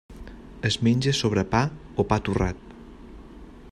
Es menja sobre pa o pa torrat.